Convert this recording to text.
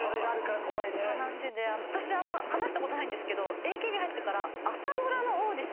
私あんま話したことないんですけどＡＫＢ入ってから。